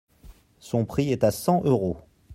Son prix est à cent euros.